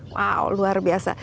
wow luar biasa